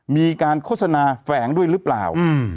มีการโฆษณาแฝงด้วยหรือเปล่า